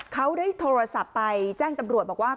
เขาได้โทรศัพท์ไปแจ้งตำรวจบอกว่า